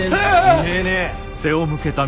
違えねえ。